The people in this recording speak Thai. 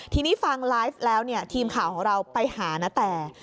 ทีนี้ฟังไลฟ์แล้วเนี่ยทีมข่าวของเราไปหานาแต